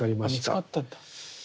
見つかったんだ。